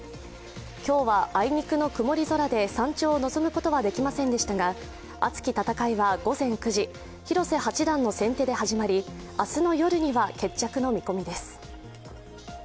今日はあいにくの曇り空で山頂を望むことはできませんでしたが、熱き戦いは午前９時、広瀬八段の先手で始まり、明日の夜には決着の見込みです。